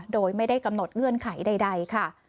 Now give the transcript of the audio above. โดยไม่ได้กำหนดเงื่อนไขใดค่ะ